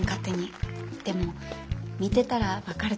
でも見てたら分かると思うんで。